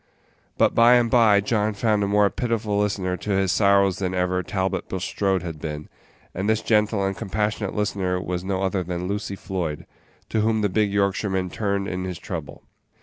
But by and by John found a more pitiful listener to his sorrows than ever Talbot Bulstrode had been, and this gentle and compassionate listener was no other than Lucy Floyd, to whom the big Yorkshireman turned in his trouble.